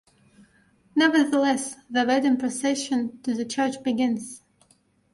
Nevertheless, the wedding procession to the church begins.